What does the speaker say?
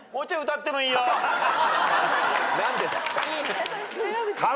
何でだよ。